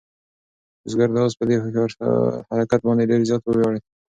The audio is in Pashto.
بزګر د آس په دې هوښیار حرکت باندې ډېر زیات وویاړېده.